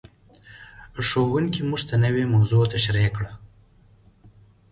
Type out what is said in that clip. ښوونکی موږ ته نوې موضوع تشریح کړه.